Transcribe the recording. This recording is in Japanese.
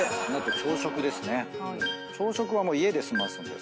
朝食は家で済ますんですか？